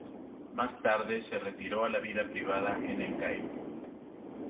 Más tarde, se retiró a la vida privada en El Cairo.